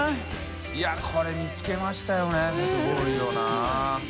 いやこれ見つけましたよねすごいよな。